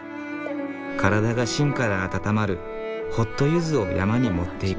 体が芯から温まるホットゆずを山に持っていく。